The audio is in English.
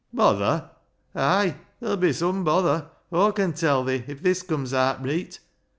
Bother ! Ay, ther'll be some bother, Aw con tell thi, if this comes aat reet.